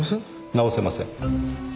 直せません。